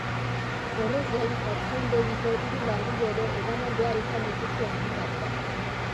Horrez gain, haurtzaindegiko hiru langile ere eraman behar izan dituzte ospitalera.